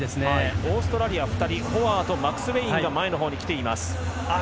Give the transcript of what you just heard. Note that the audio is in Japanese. オーストラリア２人ホアーとマクスウェインが出てきています。